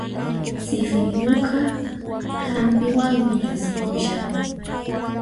Sifirinuqa hampiwanmi llusikushan